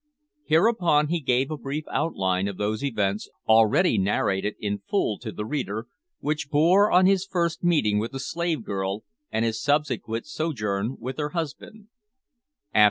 Hereupon he gave a brief outline of those events, already narrated in full to the reader, which bore on his first meeting with the slave girl, and his subsequent sojourn with her husband.